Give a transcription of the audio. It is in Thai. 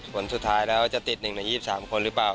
ผลสุดท้ายแล้วจะติด๑ใน๒๓คนหรือเปล่า